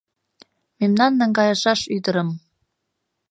Мемнан наҥгайышаш ӱдырым